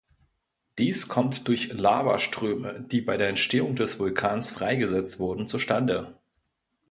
Dies kommt durch Lavaströme, die bei der Entstehung des Vulkans freigesetzt wurden, zustande.